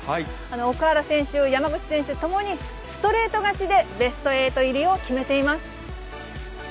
奥原選手、山口選手ともにストレート勝ちでベスト８入りを決めています。